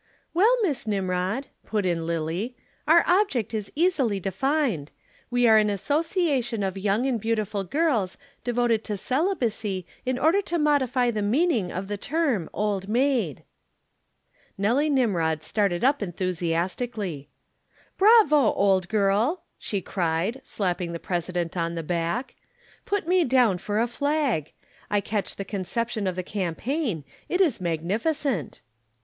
"Well, Miss Nimrod," put in Lillie, "our object is easily defined. We are an association of young and beautiful girls devoted to celibacy in order to modify the meaning of the term 'Old Maid.'" Nelly Nimrod started up enthusiastically. "Bravo, old girl!" she cried, slapping the President on the back. "Put me down for a flag. I catch the conception of the campaign. It is magnificent."